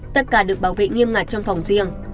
tất cả được bảo vệ nghiêm ngặt trong phòng riêng